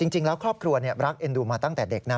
จริงแล้วครอบครัวรักเอ็นดูมาตั้งแต่เด็กนะ